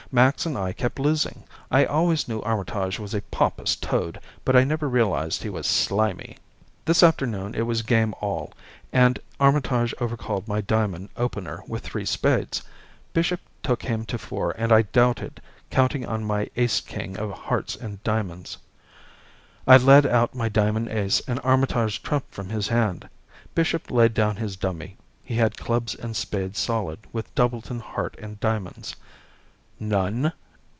Max and I kept losing. I always knew Armitage was a pompous toad, but I never realized he was slimy. This afternoon it was game all, and Armitage overcalled my diamond opener with three spades. Bishop took him to four and I doubled, counting on my ace king of hearts and diamonds. I led out my diamond ace and Armitage trumped from his hand. Bishop laid down his dummy. He had clubs and spades solid, with doubleton heart and diamonds. "None?"